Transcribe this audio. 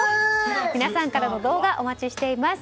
皆さんからの動画お待ちしています。